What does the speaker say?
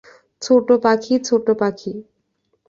ছোট্ট পাখি, ছোট্ট পাখি।